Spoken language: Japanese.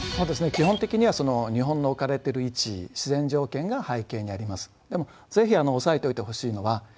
基本的には日本の置かれている位置自然条件が背景にあります。